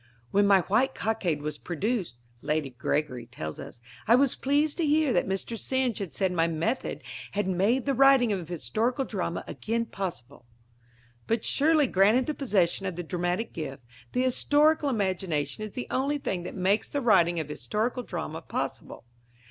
"When my White Cockade was produced," Lady Gregory tells us, "I was pleased to hear that Mr. Synge had said my method had made the writing of historical drama again possible." But surely, granted the possession of the dramatic gift, the historical imagination is the only thing that makes the writing of historical drama possible.